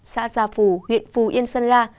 xã gia phù huyện phù yên sân la